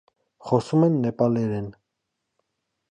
Խոսում են նեպալերեն։